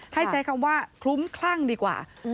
ใช้คำว่าคลุ้มคลั่งดีกว่า